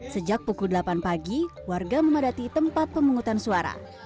sejak pukul delapan pagi warga memadati tempat pemungutan suara